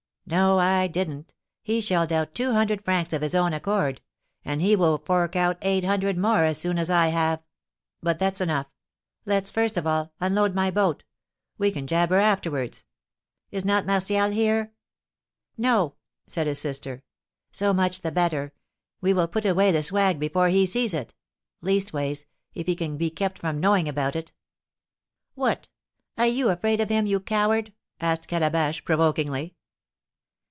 "No, I didn't; he shelled out two hundred francs of his own accord; and he will fork out eight hundred more as soon as I have But that's enough; let's, first of all, unload my boat; we can jabber afterwards. Is not Martial here?" "No," said his sister. "So much the better; we will put away the swag before he sees it; leastways, if he can be kept from knowing about it." "What! Are you afraid of him, you coward?" asked Calabash, provokingly.